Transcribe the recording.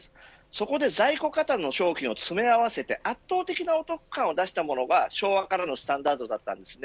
そこで在庫過多の商品を詰め合わせて圧倒的なお得感を出したものが昭和からのスタンダードだったんです。